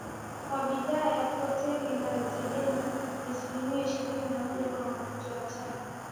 kwa bidhaa ya petroli na dizeli na asilimia ishirini na moja kwa mafuta ya taa